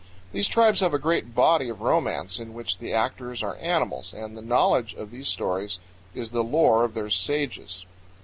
These tribes have a great body of romance, in which the actors are animals, and the knowledge of these stories is the lore of their sages.